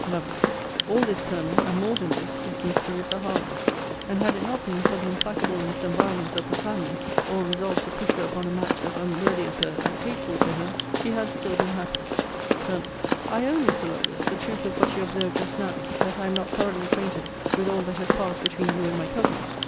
Lovel. All this, Colonel, and more than this, is Miss Clarissa Harlowe; and had it not been for the implacableness and violence of her family (all resolved to push her upon a match as unworthy of her as hateful to her) she had still been happy. Col. I own, Mr. Lovelace, the truth of what you observed just now, that I am not thoroughly acquainted with all that has passed between you and my cousin.